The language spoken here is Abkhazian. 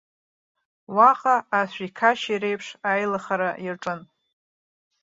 Уаҟа ашәиқашьи реиԥш аилыхара иаҿын.